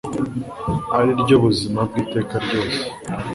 ari ryo buzima bw iteka ryose